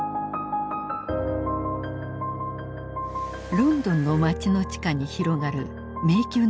ロンドンの街の地下に広がる迷宮のような空間。